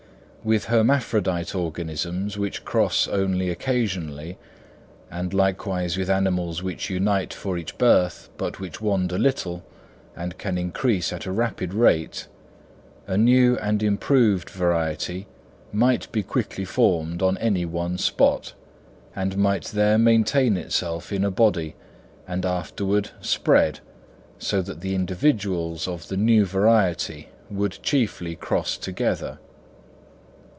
With hermaphrodite organisms which cross only occasionally, and likewise with animals which unite for each birth, but which wander little and can increase at a rapid rate, a new and improved variety might be quickly formed on any one spot, and might there maintain itself in a body and afterward spread, so that the individuals of the new variety would chiefly cross together.